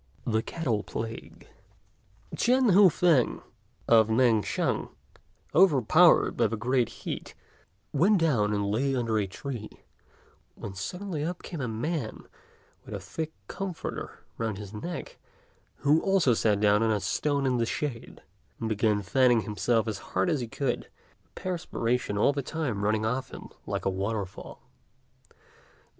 THE CATTLE PLAGUE. Ch'ên Hua fêng, of Mêng shan, overpowered by the great heat, went and lay down under a tree, when suddenly up came a man with a thick comforter round his neck, who also sat down on a stone in the shade, and began fanning himself as hard as he could, the perspiration all the time running off him like a waterfall.